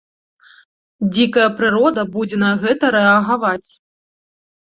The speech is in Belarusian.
Дзікая прырода будзе на гэта рэагаваць.